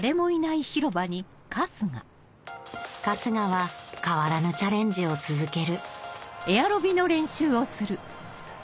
春日は変わらぬチャレンジを続ける